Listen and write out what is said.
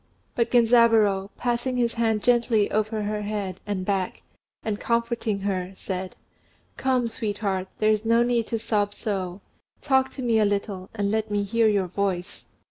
But Genzaburô, passing his hand gently over her head and back, and comforting her, said, "Come, sweetheart, there is no need to sob so. Talk to me a little, and let me hear your voice."